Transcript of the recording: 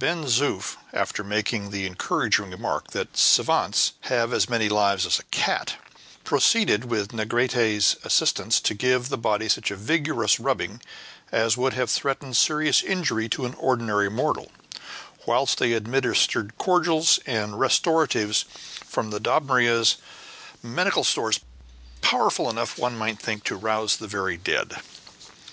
Ben Zoof, after making the encouraging remark that savants have as many lives as a cat, proceeded, with Negrete's assistance, to give the body such a vigorous rubbing as would have threatened serious injury to any ordinary mortal, whilst they administered cordials and restoratives from the Dobryna's medical stores powerful enough, one might think, to rouse the very dead.